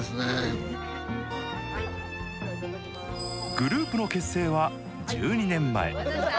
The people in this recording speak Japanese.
グループの結成は１２年前。